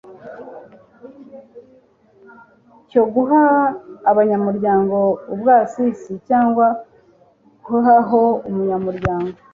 cyo guha abanyamuryango ubwasisi, cyangwa guhaho umunyamuryango